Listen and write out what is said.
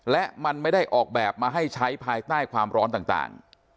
และมันไม่ได้ออกแบบมาให้ใช้ภายใต้ความร้อนต่าง